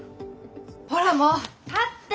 ほらもう立って！